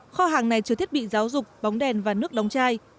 kho hàng này chứa thiết bị giáo dục bóng đèn và nước đóng chai